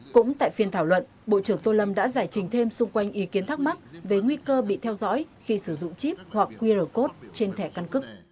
cũng tại phiên thảo luận bộ trưởng tô lâm đã giải trình thêm xung quanh ý kiến thắc mắc về nguy cơ bị theo dõi khi sử dụng chip hoặc qr code trên thẻ căn cước